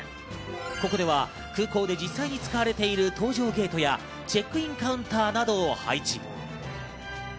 ここでは空港で実際に使われている搭乗ゲートや、チェックインカウンターなどを配置。